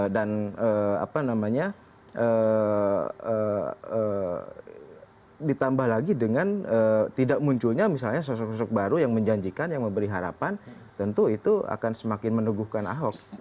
dan ditambah lagi dengan tidak munculnya misalnya sosok sosok baru yang menjanjikan yang memberi harapan tentu itu akan semakin meneguhkan ahok